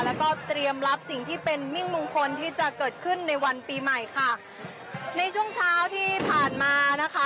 แล้วก็เตรียมรับสิ่งที่เป็นมิ่งมงคลที่จะเกิดขึ้นในวันปีใหม่ค่ะในช่วงเช้าที่ผ่านมานะคะ